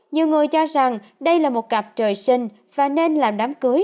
nhiều người cho rằng đây là một cặp trời sinh và nên làm đám cưới